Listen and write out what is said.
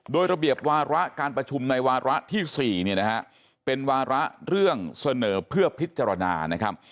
โดยระเบียบวาระการประชุมในวาระที่๔เนี่ยนะฮะเป็นวาระเรื่องเสนอเพื่อพิจารณานะครับ